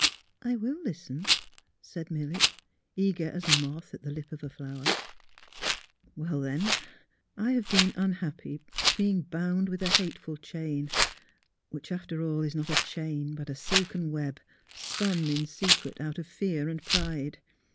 '' I will listen," said Milly, eager as a moth at the lip of a flower. WINGS OF THE MOEKLNG 205 " Well, then, I have been unhappy, being bonnd with a hateful chain — which, after all, is not a chain but a silken web, spun in secret out of fear and pride.